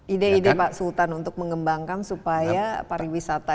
ide ide pak sultan untuk mengembangkan supaya pariwisata